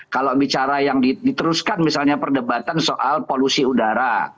kalau bicara yang diteruskan misalnya perdebatan soal polusi udara